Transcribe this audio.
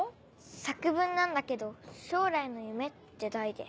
作文なんだけど『将来の夢』って題で。